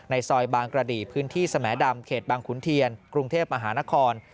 ซอยบางกระดีพื้นที่สมดำเขตบางขุนเทียนกรุงเทพมหานคร